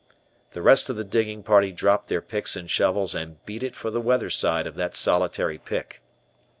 The rest of the digging party dropped their picks and shovels and beat it for the weather side of that solitary pick.